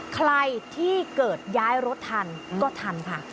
ใครที่เกิดย้ายรถทันก็ทันค่ะ